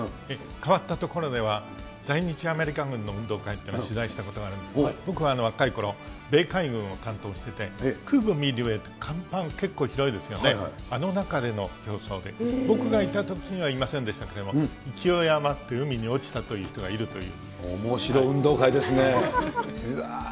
変わったところでは、在日アメリカ軍の運動会っていうのを取材したことありますけど、僕は若いころ、米海軍を担当していて、空軍、かんぱん、結構広いですよね、あの中での競争で、僕がいたときにはいませんでしたけども、勢い余って海に落ちたという人がいるという。